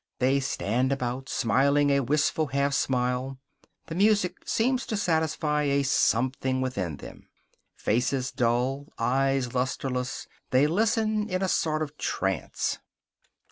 They stand about, smiling a wistful half smile. The music seems to satisfy a something within them. Faces dull, eyes lusterless, they listen in a sort of trance.